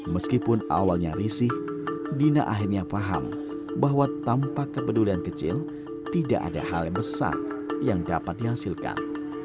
meskipun awalnya risih dina akhirnya paham bahwa tanpa kepedulian kecil tidak ada hal besar yang dapat dihasilkan